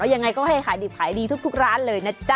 ยังไงก็ให้ขายดิบขายดีทุกร้านเลยนะจ๊ะ